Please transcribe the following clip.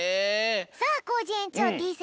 さあコージえんちょうてぃ先生。